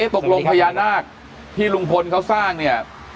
ตกลงพญานาคที่ลุงพลเขาสร้างเนี่ย